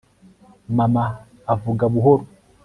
mama avuga buhoro